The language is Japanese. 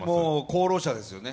功労者ですよね